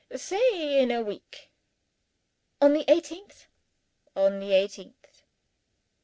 "Say, in a week." "On the eighteenth?" "On the eighteenth."